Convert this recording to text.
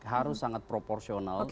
harus sangat proporsional